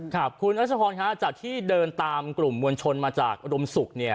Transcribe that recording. ขอบคุณอัชภรณ์ค่ะจากที่เดินตามกลุ่มมวลชนมาจากอุดมศุกร์